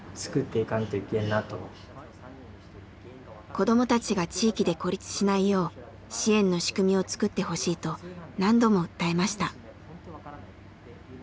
子どもたちが地域で孤立しないよう支援の仕組みを作ってほしいと何度も訴えました。